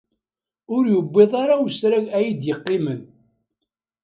Ur yewwiḍ ara usrag ay d-yeqqimen.